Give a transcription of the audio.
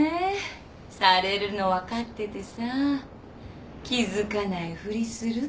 されるの分かっててさ気付かないふりするっていうのはさ。